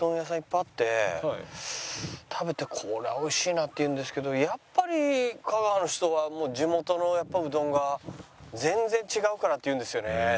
食べて「これは美味しいな」って言うんですけどやっぱり香川の人は地元のうどんが「全然違うから」って言うんですよね。